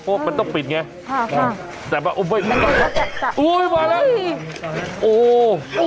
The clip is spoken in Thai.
โอ้ยมันต้องปิดไงค่ะแต่มันอุ้ยอุ้ยมาแล้วโอ้ยอู้หู